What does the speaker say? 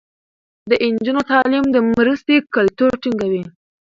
د نجونو تعليم د مرستې کلتور ټينګوي.